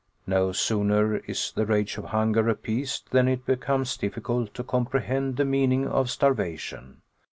No sooner is the rage of hunger appeased than it becomes difficult to comprehend the meaning of starvation.